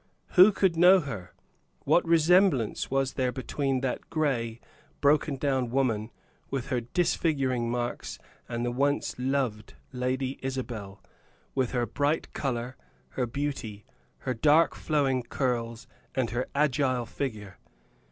Who could know her? What resemblance was there between that gray, broken down woman, with her disfiguring marks, and the once loved Lady Isabel, with her bright color, her beauty, her dark flowing curls, and her agile figure?